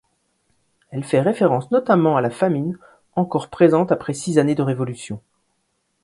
Elle fait référence notamment à la famine, encore présente après six années de révolution.